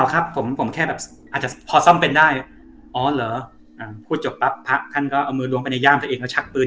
อ้อหรอลหรอคุณพูดจบปาร์ติพระคันธ์ร้อนลงไปชักปืน